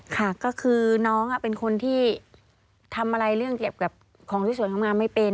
ค่ะก็คือน้องเป็นคนที่ทำอะไรเรื่องเกี่ยวกับของที่สวนทำงานไม่เป็น